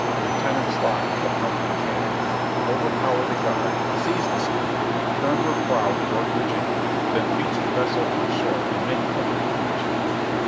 Lieutenant Slaughter, of Company K, to overpower the guard, seize the steamer, turn her prow toward Virginia, then beach the vessel on shore and make our way to Richmond.